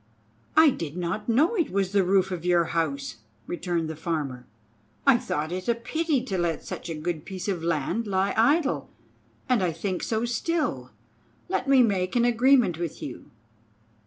"I did not know it was the roof of your house," returned the Farmer. "I thought it a pity to let such a good piece of land lie idle, and I think so still. Let me make an agreement with you."